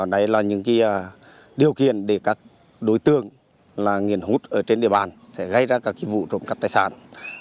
đây là những điều kiện để các đối tượng nghiện hút ở trên địa bàn sẽ gây ra các vụ trộm cắp tài sản